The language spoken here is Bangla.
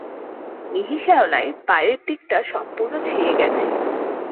মিহি শ্যাওলায় বাইরের দিকটা সম্পূর্ণ ছেয়ে গেছে।